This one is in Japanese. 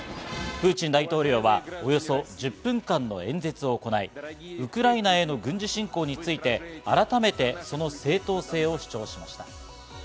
プーチン大統領はおよそ１０分間の演説を行い、ウクライナへの軍事侵攻について改めてその正当性を主張しました。